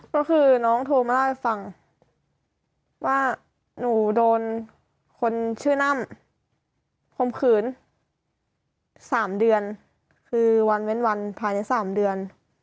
ก็คือน้องโทรมาเล่าให้ฟังว่าหนูโดนคนชื่อน่ำคมขืน๓เดือนคือวันเว้นวันภายใน๓เดือน